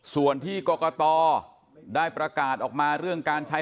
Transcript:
ส่วนที่กรกตได้ประกาศออกมาเรื่องการใช้